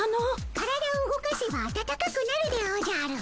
体を動かせばあたたかくなるでおじゃる。